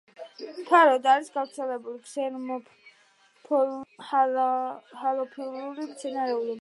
ფართოდ არის გავრცელებული ქსეროფილური და ჰალოფილური მცენარეულობა.